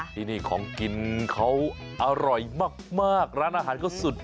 ที่นี่ของกินเขาอร่อยมากร้านอาหารเขาสุด